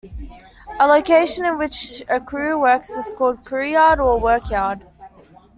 A location in which a crew works is called a crewyard or a workyard.